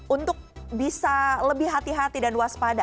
untuk bisa lebih hati hati dan waspada